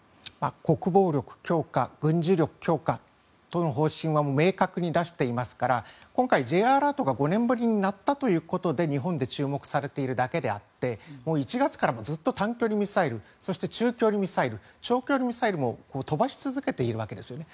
国防力強化軍事力強化という方針は明確に出していますから今回、Ｊアラートが５年ぶりに鳴ったということで日本で注目されているだけであって１月からずっと短距離ミサイルそして、中距離ミサイル長距離ミサイルも飛ばし続けているわけですよね。